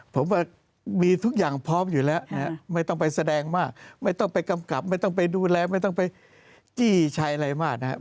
ผมว่ามีทุกอย่างพร้อมอยู่แล้วนะครับไม่ต้องไปแสดงมากไม่ต้องไปกำกับไม่ต้องไปดูแลไม่ต้องไปจี้ชัยอะไรมากนะครับ